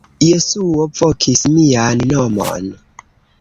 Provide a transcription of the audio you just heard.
Jesuo vokis mian nomon.